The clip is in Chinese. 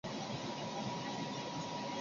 河边千斤拔为豆科千斤拔属下的一个种。